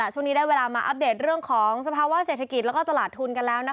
ช่วงนี้ได้เวลามาอัปเดตเรื่องของสภาวะเศรษฐกิจแล้วก็ตลาดทุนกันแล้วนะคะ